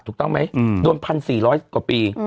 ถูกต้องไหมโดน๑๔๐๐กว่าปี